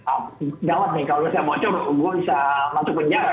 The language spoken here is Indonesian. ah lewat nih kalau saya bocor gue bisa masuk penjara